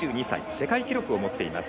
世界記録を持っています。